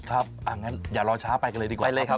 อย่างนั้นอย่ารอช้าไปกันเลยดีกว่าไปเลยครับ